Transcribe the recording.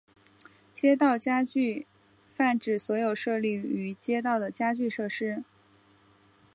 街道家具泛指所有设立于街道的家具设施。